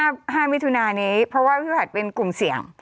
ของพี่ผัดห้ามิถุนานี้เพราะว่าพี่ผัดเป็นกลุ่มเสี่ยง